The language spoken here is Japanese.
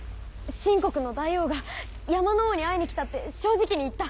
秦国の大王が山の王に会いに来たって正直に言った。